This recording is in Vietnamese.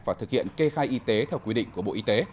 và thực hiện kê khai y tế theo quy định của bộ y tế